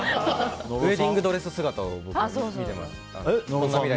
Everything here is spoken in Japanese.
ウェディングドレス姿を見てます。